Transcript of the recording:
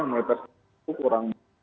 melepas itu kurang